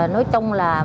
nói chung là